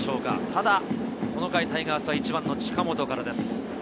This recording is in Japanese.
ただこの回タイガースは１番の近本からです。